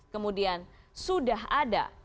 kemudian sudah ada